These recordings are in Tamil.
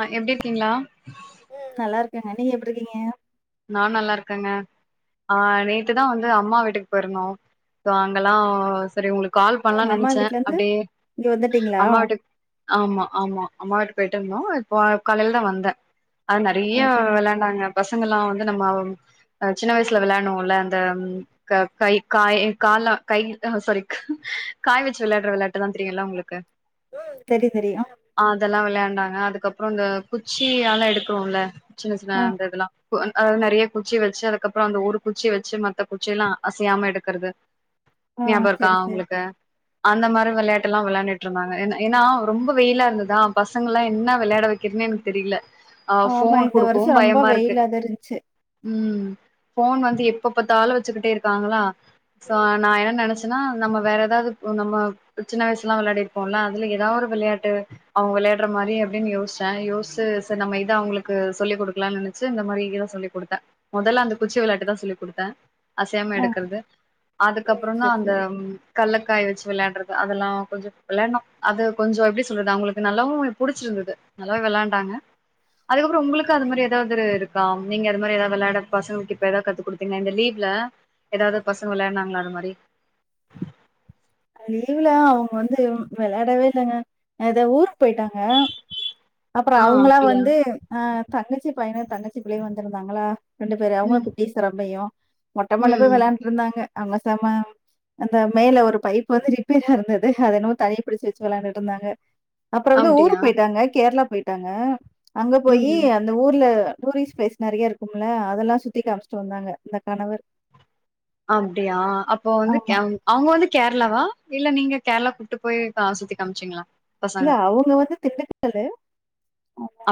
அ எப்டி இருக்கீங்களா நல்லா இருக்கங்க நீங்க எப்டி இருக்கீங்க நான் நல்லா இருக்கேங்க ஆ நேத்துதா வந் து அம்மா வீட்டுக்கு போயிருந்தோ சோ அங்கல்லா சரி உங்களுக் கால் ம் பண்ணலான் அம்மா நெனச்சே வீட்ல இருந்து அப்டியே இங்க வந்துட்டீங்களா அம்மா வீட்டுக் ஆமா ஆமா அம்மா வீட்டுக் போய்ட்டு வந்தோ இப்போ காலேல தா வந்தே அது நெறைய அப்டியா விளையாண்டாங்க பஸ் பசங்களா வந் நம்ம சின்ன வயசுல வெளையாட்ணோல்ல அந்த கை காய் கால்ல கை அ சாரி காய் வெச்சு வெளயாடுற வெளயாட்டல்லா தெரியுல உங்களுக்கு சரி சரி ஆ அதெல்லா வெளயாண்டாங்க அதுக்கப்பறோ இந்த குச்சியால எடுக்கறோல சின்ன சின்ன ஆ அந்த இதெல்லா நெறய குச்சி வச்சு அதுக்கப்பறோ அந்த ஒரு குச்சி வச்சு மத்த குச்சி எல்லா அசையாம எடுக்குறது ஆ நாபகோ இருக்கா சரி சரி உங்குளுக்கு அந்த மாரி வெளயாட்டு எல்லா வெளயாண்டுட்டு இருந்தாங்க ஏன்னா ஏன்னா ரொம்ப வெயிலா இருந்ததா பசங்க எல்லா என்ன வெளயாட வெக்கிறதுன்னே எனக்கு தெரியல ஆ ஆமா இந்த வருஷோ ரொம்ப வெயிலாத இருந்துச்சு உம் போன் வந்து எப்ப பாத்தாலு வச்சுக்கிட்டே இருக்காங்களா சோ நா என்ன நெனச்சேன்னா நம்ம வேற ஏதாவது நம்ம சின்ன வயசு எல்லா வெளயாடி இருப்போல்ல அதுல ஏதாவ ஒரு விளையாட்டு அவங்க வெளயாடுற மாரி அப்படின்னு யோசிச்சே யோசிச்சு சரி நம்ம இத அவங்களுக்கு சொல்லிக் கொடுக்கலாம்னு நெனச்சு இந்த மாரி இதா சொல்லி கொடுத்தே மொதல்ல அந்த குச்சி வெளயாட்டுதா சொல்லி குடுத்தே அசையாம ஆ எடுக்கறது ம், அதுக்கப்பறோந்த சரி அந்த சரி கல்ல காய் வச்சு வெளயாடுறது அதெல்லா கொஞ்சு வெளயாண்டனோ அது கொஞ்சு எப்படி சொல்றது அவங்களுக்கு நல்லாவு புடிச்சிருந்தது நல்லாவே வெளயாண்டாங்க அதுக்கப்பறோ உங்களுக்கு அது மாரி ஏதாவது இருக்கா நீங்க அது மாரி ஏதாவது வெளயாட பசங்களுக்கு இப்ப ஏதாவது கத்து குடுத்தீங்க இந்த லீவ்ல ஏதாவது பசங்க வெளயாடுனாங்களா அது மாரி லீவுல அவங்க வந்து வெளயாடவே இல்லைங்க அது ஊருக்கு போயிட்டாங்க அப்பறோ ஆ அவங்களா அப்டியா வந்து ஆ தங்கச்சி பையனு தங்கச்சி பிள்ளைையு வந்திருந்தாங்களா ரெண்டு பேரு அவங்களு ம் குட்டீஸ் தா ரொம்பயு மொட்டமாடில போய் ம் வெளயாண்டுட்டு இருந்தாங்க அங்க செம அந்த மேல ஒரு பைப் வந்து ரிப்பேரா இருந்தது அத என்னமோ தண்ணி பிடிச்சு வச்சு வெளயாண்டுட்டு இருந்தாங்க அப்பறோ வந்து அப்டியா ஊருக்கு போயிட்டாங்க கேரளா போயிட்டாங்க அங்க போயி ம் அந்த ஊர்ல டூரிஸ்ட் பிளேஸ் நறயா இருக்கும்ல அதெல்லா சுத்தி காமிச்சிட்டு வந்தாங்க எங்க கணவர் அப்டியா அப்போ வந்து ஆமா. அவங் அவங்க வந்து கே ரளாவா இல்ல நீங்க கேரளா கூட்டு போய் சுத்தி காமிச்சீங்களா இல்ல பசங்க அவங்க வந்து திண்டுக்கல்லு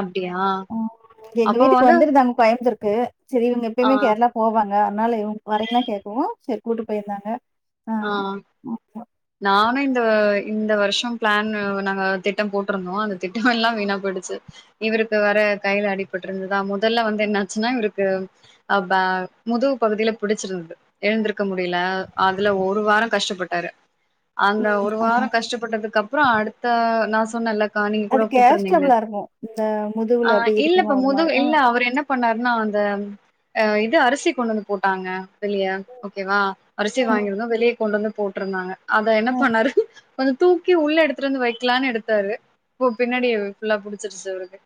அப்டியா எங்க அப்போ வீட்டுக்கு வந்து வந்துருந்தாங்க கோயம்பத்தூர்க் கு செரி இவங்க ஆ எப்பயுமே கேரளா போவாங்க அதனால இவங்க வரிங்கலா கேக்கவு செரி கூட்டு போயிருந்தாங்க ஆ ஆமா. நானானு த இந்த வருஷோ பிளான்னு நாங்க திட்டம் போட்ருந்தோ அந்த திட்டம் எல்லாம் வீணா போயிடுச்சு இவருக்கு வேர கையில அடிபட்டுயிருந்ததா முதல்ல வந்து என்னாச்சுன்னா இவருக்கு ஆ ப முதுகு பகதில பிடிச்சிருந்தது எழ்ந்திருக்க முடியல அதுல ஒரு வாரோ கஷ்டப்பட்டாரு அந்த ம். ஒரு ஆமா. வாரோ கஷ்டப்பட்டதுக் கப்றோ அடுத்த நா சொன்னல்ல அது கேஸ்ட்டபுளா இருக்கு இந்த ஆ முதுவுல அப்டி இல்லப்ப இரிக்கமாகுற மாரி முதுகு அ இல்ல அவர் என்ன பண்ணாருன்னா அந்த இது அரிசி கொண்டு வந்து போட்டாங்க வெளிய ஓகேவா அரிசி‌ ம். வாங்கியிருந்தோ வெளிய கொண்டு வந்து போட்டுருந்தாங்க அத என்ன ம். பண்ணாரு கொஞ்சோ தூக்கி உள்ள எடுத்துட்டு வந்து வைக்கலான்னு எடுத்தாரு இப்போ பின்னாடி ஃபுல்லா புடிச்சுருச்சு அவருக்கு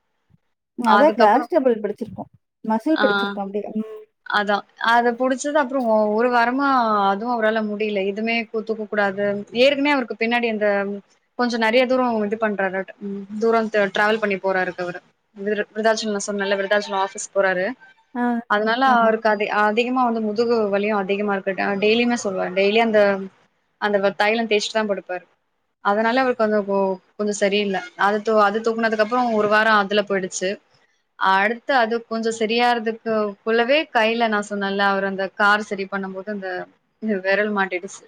அதான் அதுக்கப்புறோ கேஸ்டபிள் புடுச்சுருக்கு மசுல் ஆ புடிச்சுருக்கு அப்டியே ம் அதா அது புடிச்சது அப்றோ ஒ ஒரு வாரமா அதுவு அவரால முடில இதுமே இப்ப தூக்க கூடாது ஏற்கனே அவருக்கு பின்னாடி அந்த கொஞ்ச நெறைய தூரோ இது பண்றாரு தூரோ த டிராவல் பண்ணி போறாரு இப்ப இவரு விரு விருதாச்சலம் சொன்னேல விருதாச்சலோ ஆபீஸ் போறாரு ஆ ல ஆமா. அவருக்கு அதி அதிகமா வந்து முதுகு கு வலியு‌ அதிகமா இருக்கட்டா டெய்லியுமே சொல்லுவாரு டெய்லி அந்த அந்த வ தைலந் தேஸ்டு தா படுப்பாரு அதனால அவருக்கு கொஞ்சோ கோ கொஞ்சோ சரியில்ல அது து அது தூக்குனதுக்கப்ரோ ஒரு வாரோ அதுல போயிடுச்சு அடுத்து அது கொஞ்சோ சரியாரதுக்கு உள்ளவே கையல நா சொன்னேல அவர் அந்த கார் செரி பண்ணும் போது அந்த விரல் மாட்டுச்சு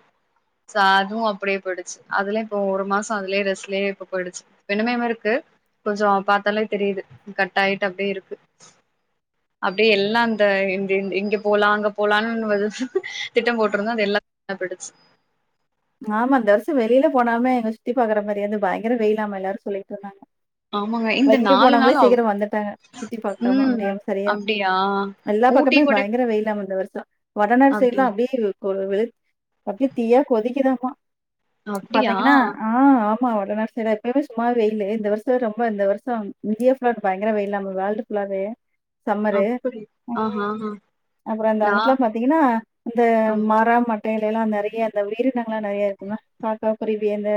சா அதுவு அப்டி போய்டுச்சு அதுல இப்போ ஒரு மாச அதுலயே ரெஸ்லயே இப்ப போயிடுச்சு வினிமேமருத்து கொஞ்சோ பாத்தாலே தெரிது கட்டாயிட்டு அப்டியே இருக்கு அப்டியே எல் லா‌ந்தை ந் ந்த இங்க போலாம் அங்க போலாம்னு திட்டோ போட்டிருந்தோ அது எல்லா போட்டுச்சு ஆமா இந்த வருஷோ வெளில போனாமே எங்க சுத்தி பாக்குற மாரியா இந்து பயங்கர வெயிலாமா எல்லாரூ சொல்லிட்ருந்தாங்க ஆமாங்க இந்த வெளில நாலு போனாவங்களே நாள் அவ் சீக்கிரோ வந்துட்டாங்க சுத்தி பாக்காம ம் முடியாம சரியா அப்டியா எல்லா ஊட்டி பக்கமே கொடை பயங்கர வெயிலாமா இந்த வருஸ் த வட நாட் அப்டி சைட்லா அப்டியே [unintelligible] தீயா கொதிக் கிதாமா அப்டியா பாத்தீங்கன்னா ஆ அப் மா வடநா சைல எப்பயுமே சும்மாவ வெயில்லு இந்த வருஷோ ரொம்ப இந்த வருஷம் இந்தியா ஃபுல்லா இப்ப பயங்கர வெயில் நாம்ம வேர்ல்டு ஃபுல்லாவே சம்மரு அப்டி ம் ஆஹா ஹா அப்புறோ அந்த நா அங்குட்லா பாத்தீங்கன்னா இந்த ம் மர மட் வேலேலா நறையா அந்த வீடு [unintelligible] ல்லா நறையா இருக்குமா காக்கா குருவி அந்த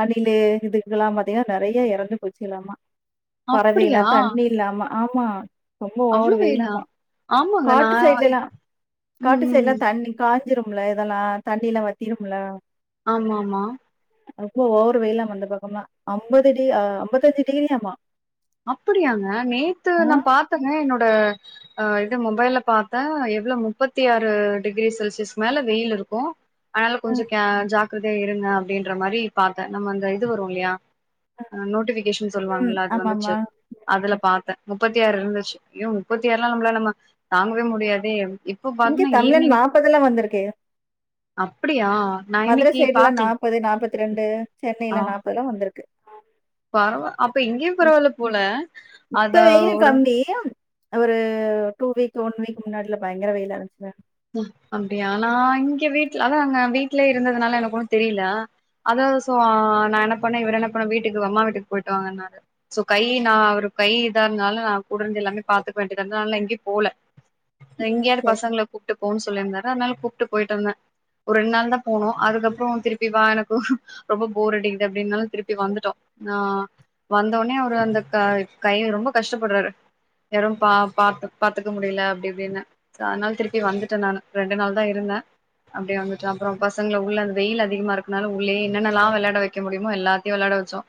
அணிலு இதுக்கெல்லா பாத்தீங்கன்னா நறைய எறந்து போச்சுக்கலாமா பறவையில்லா அப்டியா தண்ணி இல்லாம ஆம் மா ரொம்ப அவ்ளோ ஓவர் வெயிலா வெயிலாமா ஆமாங்க நா காட்டு சைடுல எல்லா ம் காட்டு ம் சைடுலா தண்ணி கா துரும்ல இதல்லா தண்ணில வ இருமலா ஆமாமா ரொம்ப ஓவர் வெயிலாமா அந்த பக்கமா அம்பது டி அம்பத்தஞ்சு டிகிரியாமா அப்படியாங்க நேத்து ஆ, நா பாத்தங்க என்னோட அ அ இது மொபைல்ல பாத்த எவ்ளோ முப்பத்தி ஆறு டிகிரி செல்சியஸ்கு மேல வெயில் இருக்கு ஆனாலு ஆ. கொஞ்ச கே ஜாக் குதே இருங்க அப்டின்ற மாரி பாத்த நம்ம அந்த இது வரு இல்லையா அ நோட்டிஃபிகேஷன் ம். சொல்வாங்கல அது வந்து சு ஆமாமா. அதுல பாத்த முப்பத்தி ஆறு இருந்துச்சு யோ முப்பத்தி ஆறுலா நம்மளா நம்ம தாங்கவே முடியாதே அப்ப இங்க பாத்திங்னா தமிழ்நாடு ஈவ்னிங் வந்திருக்கு. அப்டியா நா மதுர இன்னைக்கு சைடு எல்லா பாக்கல நாப்பது நாப்பத்தி ரெண்டு ஆ சென்னைல்ல நாப்பதுல்ல வந்து இருக்கு பரவா அப்ப இங்கயு பரவால்ல போல இப்ப அத வெயிலு ஒரு கம்மி ஒரு டூ வீக் ஒன் வீக் முன்னாடில பயங்கர வெயிலா இருந்துச்சுல அ அப்டியா நா இங்க வீட் அதா அங்க வீட்லயே இருந்ததுனால எனக்கு ஒன்னு தெரில அதாவது சோ நா என்ன பண்ணே இவரு என்ன பண்ண வீட்டுக்கு வெம்மா வீட்டுக்கு போயிட்டு வாங்கனாரு சோ கை நா ஒரு கை இதா இருந்தால நா கூடருந்து எல்லாமே பாத்துக்க வேண்டிதாருந்துது அதுனால நா எங்கயு போகுல இங்க யாரு சரி. பசங்கள கூப்ட்டு போன்னு சொல்லிருந்தாரு அதனால கூப்ட்டு போய்ட்டு வந்த ஒரு ரெண்டு நாள் தா போனோ அதுக்கப்புற திருப்பி வா எனக்கு ரொம்ப போர் அடிக்குது அப்டின்னால திருப்பி வந்துட்டோ ஆ வந்தவுடனே அவரு அந்த க கை ரொம்ப கஷ்டப்படறாரு யாரும் பா பாத் பாத்துக்க முடில அப்டி இப்டினு சோ அதனால திருப்பி வந்துட்ட நானு ரெண்டு நாள் தா இருந்த அப்டியே வந்துட்ட அப்ற பசங்கள உள்ள அங் வெயில் அதிகமா இருக்கனால உள்ளயே என்னென்னல்லா வெளையாட வைக்க முடியுமோ எல்லாத்தையு வெளையாட வச்சோ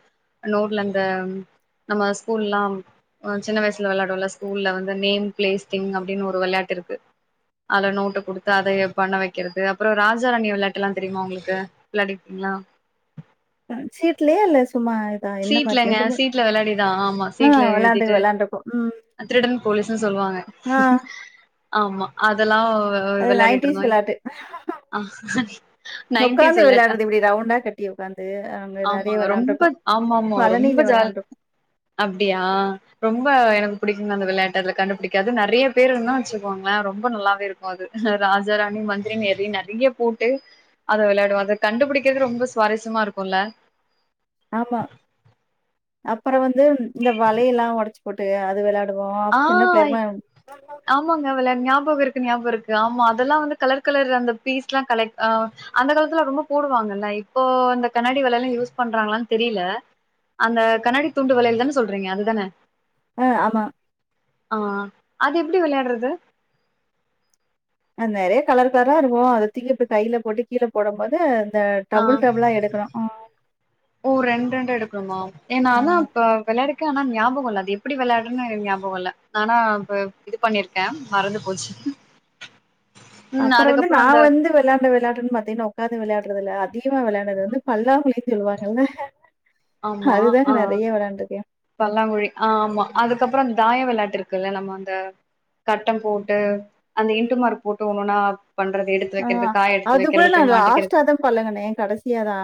நோர்ல அந்த நம்ம ஸ்கூல்லா சின்ன வயசுல வெளையாடுவோல ஸ்கூல்ல வந்து நேம் பிளேஸ் திங் அப்டினு ஒரு வெளையாட்டிருக்கு அத நோட்ட குடுத்து அதை பண்ண வக்கிறது அப்புற ராஜா ராணி விளையாட்டு எல்லா தெரியுமா உங்களுக்கு விளையாடிருக்கிங்ளா சீட்லயா இல்ல சும்மா இதா என்ன மாரி? சீட்லங்க மூ சீட்ல வெளையாடிதா ஆமா ஆ சீட்ல வெளாண்டு எழுதிட்டு வெளாண்டுருக்கோம். ம். அ திருடன் போலீஸ்னு சொல்லுவாங்க ஆ ஆமா அதெல்லா அ வெளாடிட்டு நைன்டிஸ் இருந்தோ வெள்ளாட்டு நைன்டிஸ் உக்காந்து வெளாட்டா வெளையாடுறது இப்பிடி ரவுண்டா கட்டி உக்காந்து அங்க நறைய ஆமாங்க ரொம்ப வெளையாண்டுருக்கோ ஆமா ஆமா ரொம்ப ஜால் அப்டியா ரொம் ரொம்ப எனக்கு புடிக்குங்க அந்த வெளையாட்டு அதுல கண்டுபுடிக்காது நறைய பேரு இருந்தா வச்சிக்கோங்களே ரொம்ப நல்லாவே இருக்கு அது ராஜ ராணி மந்திரின் நெறை நெறைய போட்டு அத வெளையாடுவோ அத கண்டுபுடிக்கறது ரொம்ப சுவாரஸ்யமாருக்குல்ல ஆமா அப்புறோ வந்து இந்த வலையல்லா ஒடைச்சு போட்டு அது வெளையா ஆ ஆமாங்க உங்ள ஞாபகோருக் க்கு ஞாபகம் இருக்கு ஆமா அதெல்லா வந்து கலர் கலர் அந்த பீஸ்ட்லா கலெக்ட் ஆ அந்த காலத்துல ரொம்ப போடுவாங்கல்ல இப்போ இந்த கண்ணாடி வலையெல்லா யூஸ் பண்றாங்களான் தெரில அந்த கண்ணாடி தூண்டு வலையில தான சொல்றீங்க அதுதான ஆ ஆமா ஆ அது எப்பிடி வெளையாடுறது அது நெறைய கலர் கலரா இருக்கு அத தூக்கி இப்டி கைல போட்டு கீழ போடம் போது ஆ ஓ ரெண்டு ரெண்டா எடுக்கணுமா ஏ நா ஆ தா இப்ப வெளையாடி க்கே ஆனா ஞாபகோ இல்ல அது எப்டி வெளயாடுனுன்னு ஞாபகோ இல்ல நானா இப்ப இது பண்ணிருக்கே மறந்து போச்சு ம் அப்பறோ வந்து அதுக்கப்றோ நா அந்த வந்து வெளாண்ட விளையாட்டுன்னு பாத்தீன்னா உக்காந்து விளையாடுற விளையா அதிகமா விளையாண்டது வந்து பல்லாங்குழின் சொல்லுவாங்கல்ல ஆமா அதுதாங்க ஆ நெறைய வெளாண்டுருக்கே பல்லாங்குழி ஆ ஆமா அதுக்கப்பறோ தாயோ விளையாட்டு இருக்குல்ல நம்ம அந்த கட்டம் போட்டு அந்த இண்டு மார்க் போட்டு ஒவ்வொண்ணா ஆ அது கூட நா மாட்டிக்கிறது லாஸ்டா தா பழகுணே கடசியா தா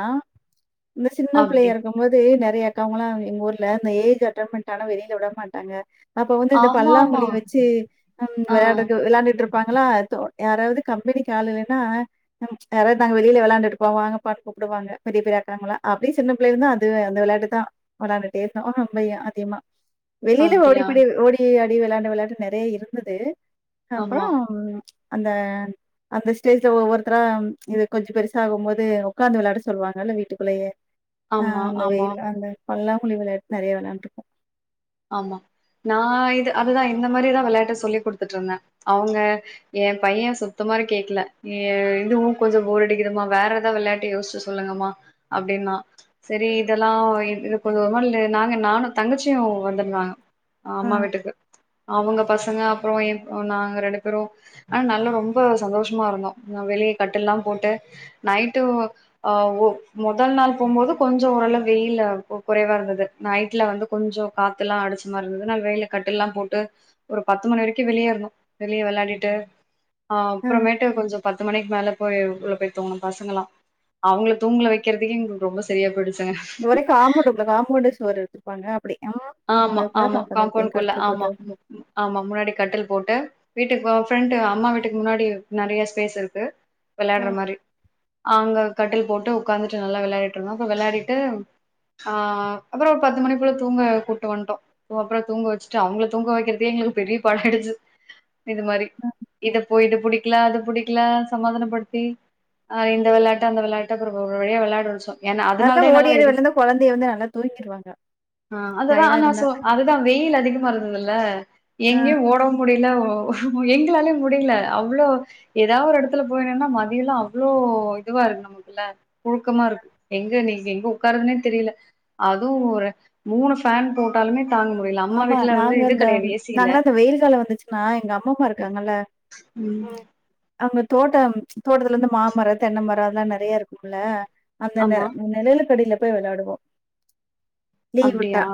இந்த சின்ன பிள்ளையா அப்டி இருக்கும் போது நெறைய கமலா எங்க ஊரு ல இந்த ஏஜ் அட்டன்ட் பண்ட்டானா வெளில விட மாட்டாங்க அப்ப வந்து இந்த ஆமா ஆமா பல்லாங்குழி வச்சு அம் ஆ விளையாடுட்டு விளையாண்டுட்டு இருப் இருப்பாங்களா தோ யாராவது கம் படிக்கு ஆள் இல்லேன்னா ம் ச் யாராவது நாங்க வெளில விளையாண்டுட்டு போவாங்க வாங்கப்பானு கூப்புடுவாங்க பெரிய பெரிய ஆட்காரங்கல்லா அப்டியே சின்ன பிள்ளேல இருந்து அது அந்த விளையாட்டுதா விளையாண்டுட்டே இருப்போ ஆஹோ ரொம்பயே அதிகமா வெளில அப்டியா ஓடிப்புடி ஓடி ஆ டி விளாண்ட விளையாண்டு நெறைய இருந்தது அப்பறோ ஆமா ச் அந்த அந்த ஸ்டேஜ்ல ஒவ்வொருத்தரா ச் இது கொஞ்சோ பெருசாகு போது ஒக்காந்து விளாட சொல்லுவாங்கல்ல வீட்டுக்குள்ளயே ஆமா ஆமா பல்லாங்குழி விளையாட்டு நெறைய விளையாண்டுருக்கோ ஆமா நா இது அதுதா இந்த மாரிதா விளையாட்ட சொல்லி் குடுத்துட்டுருந்தே அவுங்க எ பையே சுத்தமாரி கேக்கல எ இதுவு கொஞ்சோ போர் அடிக்குதுமா வேற ஏதாது விளையாட்டு யோசிச்சு சொல்லுங்கம்மா அப்டின்னா சரி இதல்லா இது கொஞ்சோ ஒரு மாரி லெ நாங்க நானு தங்கச்சியு வ நா ஆ அம்மா வீட்டுக்கு அவங்க பசங்க அப்புற என் நாங்க ரண்டு பேரு ஆனா நல்லா ரொம்ப சந்தோஷமா இருந்தோ வெளிய கட்டில்லாம் போட்டு நைட்டு ஆ மொதல் நாள் போகும்போது கொஞ்ச ஓரளவு வெயில் கு குறைவா இருந்தது நைட்ல வந்து கொஞ்ச காத்துல்லா அடிச்ச மாரி இருந்துது நா வெளில கட்டில்லா போட்டு ஒரு பத்து மணி வரைக்கு வெளிய இருந்தோ வெளிய வெளாடிட்டு அ ஆ அப்றமேட்டு கொஞ்ச பத் பத்து மணிக்கு மேல போய் உள்ள போய் தூங்கு பசங்களெலா அவங்கள தூங்க வெக்கறதுக்கே எங்களுக்கு ரொம்ப சரியா போயிடு ஒரே காம்பவுண்டுகுள காம்பவுண்டே சுவரு வச்சிருப்பாங்க ஆமா ஆமா காம்பவுண்ட்குள்ள கட்டில் ஆமா போட்டு. ஆமா முன்னாடி கட்டல் போட்டு வீட்டுக்கு ஃப்ரெண்ட் அம்மா வீட்டு க்கு முன்னாடி நெறையா ஸ்பேஸ் இருக்கு வெளாடற ம். மாரி அங்க கட்டில் போட்டு உக்காந்துட்டு நல்லா விளையாடிட்ருந்தோ அப்ற விளையாடிட்டு ஆ அப்பற ஒரு பத்து மணி போல தூங்க கூட்டு வன்ட்டோ அப்பற தூங்க வெச்சுட்டு அவங்கள தூங்க வெக்கிறதே எங்களுக்கு பெரிய பாடு ஆயிடுச்சு இது மாரி இத போ இது புடிக்கல அது புடிக்கல சமாதானப்படுத்தி ஆ இந்த வெளாட்டு அந்த வெளாட்டு ஒரு ஒரு வழியா வெளாட வச்சோ நல்லா ஓடியாடி வெளயாண்டா கொழந்தைக வந்து நல்லா தூங்கிடுவாங்க ஆ அதுதா நா சொ அதுதா வெயிலு அதிகமா இருந்துதுல்ல ஆ எங்கயு ஓடவு முடில ஓ எங்களாலயே முடில அவ்ளோ எதா ஒரு எடத்துல போய் நின்னா மதியெல்லா அவ்ளோ இதுவா இருக்கு நமக்குள்ள புழுக்கமா இருக்கு எங்க நீங்க எங்க உக்காரதுனே தெரில அதுவு ஒரு மூணு ஃபேன் போட்டாலுமே தாங்க முடியல அம்மா ஆமா வீட்ல வந்து நாங்க இது இந்த கெடையாது ஏசி இல்ல நாங்கெலாம் அந்த வெயில் காலம் வந்துச்சுன்னா எங்க அம்மா அப்பா இருக்காங்கல்ல ம் அங்க தோட்டம் தோட்டத்துலேருந்து மாமரம் தென்னை மரம் அதெல்லாம் நிறையா இருக்குல அந்த ஆமா நிழலுக்கடியில போய் விளையாடுவோம் வில் விட்டா அப்டியா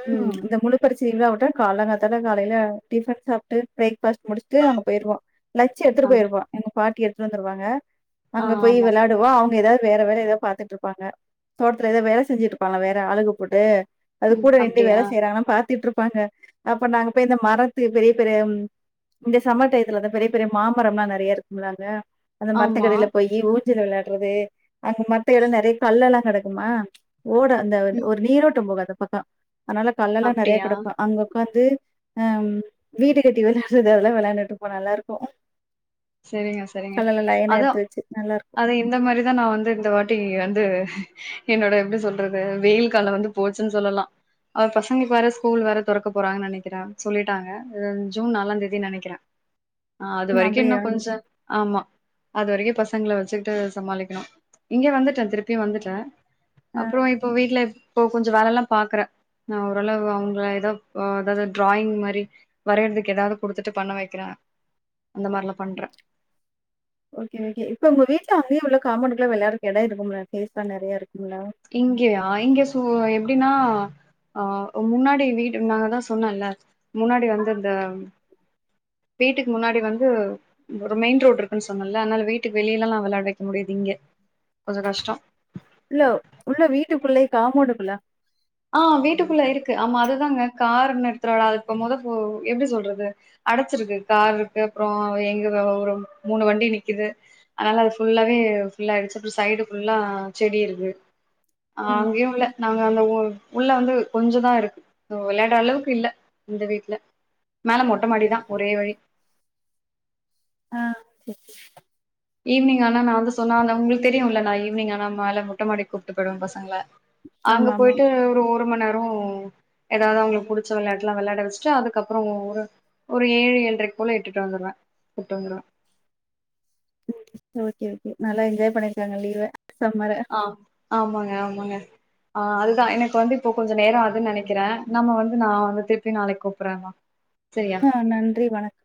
ம் முழு பரிச்சை இருந்தா விட்ட காலம் காலத்தில காலையில டிஃபன் சாப்பிட்டு பிரேக் பிரேக்ஃபாஸ்ட் முடிச்சுட்டு அங்க போயிடுவம் லஞ்ச் எடுத்துட்டு அப்டி போயிடுவோம் எங்க பாட்டி எடுத்துட்டு வந்துருவாங்க ஆ அங்க போய் ஆமா விளையாடுவோம் அவங்க ஏதாவது வேற வேலை ஏதாவது பார்த்துட்டு இருப்பாங்க தோட்டத்துல ஏதோ வேலை செஞ்சுட்டு இருப்பாங்க வேற ஆளுக போட்டு உம் அப்படியா காத்துட்டு இருப்பாங்க அப்ப நாங்க போய் இந்த மரத்து பெரிய பெரிய இந்த சம்மர் டையத்துல பெரிய பெரிய மாமரம் எல்லாம் நிறைய இருக்கும் இல்ல அங்க அந்த ஆமா மரத்துக்கடியில ‌போயி ஊ ஊஞ்சல் விளையாடுறது அங்க மரத்து இடம் நிறைய கல்லு எல்லாம் கிடக்குமா ஓட அந்த ம் ஒரு நீரோட்டும் போகது பக்கா அதனால கல் எல்லாம் நிறைய அப்டியா கிடக்கும் அங்க வந்து அஹ் வீடு கட்டி விளையாடுறது அதெல்லாம் விளையாண்டுட்டு இருப்போம் நல்லா இருக்கும் சரிங்க சரிங்க அதான் நல்லாருக்கும். அத இந்த மாதிரிதான் நான் வந்து இந்த வா டி வந்து என்னோட எப்படி சொல்றது வெயில் காலம் வந்து போச்சுன்னு சொல்லலாம் அவ பசங்களுக்கு வேற ஸ்கூல் வேற துறக்க போறாங்கன்னு நினைக்கிறேன் சொல்லிட்டாங்க ஜூன் நாளாம் தேதின்னு நினைக்கிறேன் ஆஹ அது ம் வரைக்கும் அப்படியா? இன்னும் கொஞ்சம் ஆமா அதுவரைக்கும் பசங்களை வச்சுக்கிட்டு சமாளிக்கணும் இங்க வந்துட்டேன் திருப்பியும் வந்துட்டேன் ஆ அப்புறம் இப்போ வீட்டு்ல இப்போ கொஞ்சம் வேலை எல்லாம் பாக்குறேன் ஓரளவு அவங்கள ஏதாவது டிராயிங் மாதிரி வரையறதுக்கு ஏதாவது கொடுத்துட்டு பண்ண வைக்கிறேன் அந்த மாதிரி ஓகே ஓகே இப்ப உங்க வீட்டுல அங்க எவ்ளவு காம்பவுண்டுக்குள்ள வெளாரதுக்கு எட இருக்கும்ல ஸ்பேஸ் எல்லா நெறைய இருக்கு இங்கேயா இங்க சு எப்படின்னா ஆஹ் முன்னாடி வீடு நா அதான் சொன்னேன்ல்ல முன்னாடி வந்து இந்த வீட்டுக்கு முன்னாடி வந்து ஒரு மெயின் ரோடு் இருக்குன்னு சொன்னேல்ல அதனால வீட்டுக்கு வெளியிலல்லாம் வெளயாட வைக்க முடியாது இங்க கொஞ்சோ கஷ்டம் உள்ள வீட்டுக்குள்ளயே காம்போண்டுக்குள்ள ஆஹ் வீட்டுக்குள்ள இருக்கு ஆமா அதுதாங்க கார் நிறுத்துரோல்ல அது இப்போ மொதோ எப்பிடி சொல்றது அடச்சிருக்கு கார் இருக்கு அப்புறம் எங்க ஒரு மூணு வண்டி நிக்குது அதனால அது ஃபுல்லாவே ஃபுல்லாயிச்சு அப்புறம் சைடு ஃபுல்லா செடி இருக்கு அஹ் ம். அங்கேயும் இல்ல நாங்க அந்த ஊ உள்ள வந்து கொஞ்ச தான் இருக்கு வெளையாட அளவுக்கு இல்ல இந்த வீட்டுல மேல மொட்ட மாடிதான் ஒரே வழி ஆஹ் சரி சரி ஈவினிங் ஆனா நா வந்து சொன்னால்ல உங்களுக்கு தெரியும் இல்ல நான் ஈவினிங் ஆனா மேல மொட்டமாடிக் கூப்பிட்டு போயிடுவேன் பசங்கள அங்க ஆமாமா. போயிட்டு ஒரு ஒரு மணி நேர ப்புறோ ஏதாவது அவங்களுக்கு புடிச்ச வெளாட்டு எல்லாம் வெளயாட வச்சுட்டு அதுக்கப்புறம் ஒரு ஒரு ஏழு ஏழ்றைக்கு போல இட்டுட்டு வந்துருவேன் விட்டு வந்துடுவேன் ம் ஓகே ஓகே நல்லா என்ஜாய் பண்ணிருக்காங்க லீவ சம்மர. ஆஹ் ஆமாங்க ஆமாங்க ஆஹ் அதுதான் எனக்கு வந்து இப்போ கொஞ்சோ நேர ஆதுன்னு நெனக்கிறேன் நம்ம வந்து நான் வந்து திருப்பியு நாளைக்கு கூப்புறே அம்மாங்க ஆஹ் நன்றி வணக்